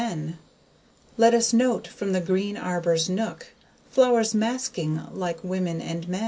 Let us note from the green arbour's nook, Flowers masking like women and men.